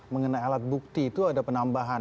mengenai alat bukti itu ada penambahan